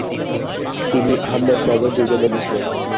তিনি আহমেদনগর দুর্গে বন্দী ছিলেন।